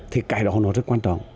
thì cái đó nó rất quan trọng